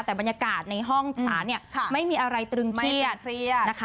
แต่บรรยากาศในห้องฉาเนี่ยไม่มีอะไรตรึงเครียดนะคะ